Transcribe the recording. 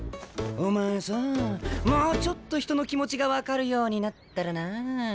お前さあもうちょっと人の気持ちが分かるようになったらな。